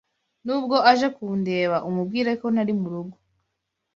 Nubwo aje kundeba, umubwire ko ntari murugo.